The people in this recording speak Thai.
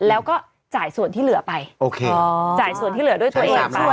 แล้วก็จ่ายส่วนที่เหลือไปโอเคจ่ายส่วนที่เหลือด้วยตัวเองไป